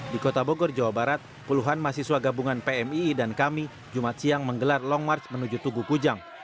di kota bogor jawa barat puluhan mahasiswa gabungan pmii dan kami jumat siang menggelar long march menuju tugu kujang